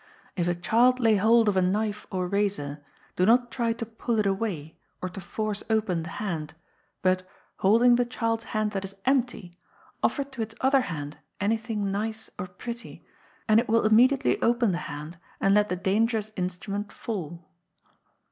If a child lay hold of a knife or razor, do not try to pull it away, or to force open the hand; but, holding the child's hand that is empty, offer to its other hand anything nice or pretty, and it will immediately open the hand, and let the dangerous instrument fall.